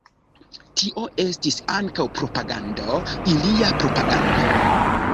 Tio estis ankaŭ propagando – ilia propagando.